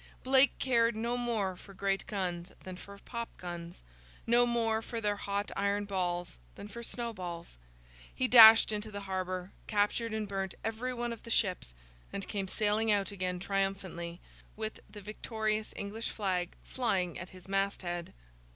Blake cared no more for great guns than for pop guns—no more for their hot iron balls than for snow balls. He dashed into the harbour, captured and burnt every one of the ships, and came sailing out again triumphantly, with the victorious English flag flying at his masthead.